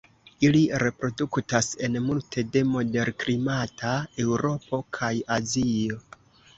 Ili reproduktas en multe de moderklimata Eŭropo kaj Azio.